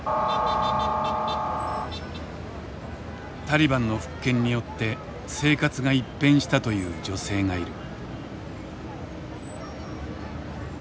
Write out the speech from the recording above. タリバンの復権によって生活が一変したという女性がいる。